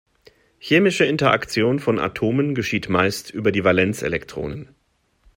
Chemische Interaktion von Atomen geschieht meist über die Valenzelektronen.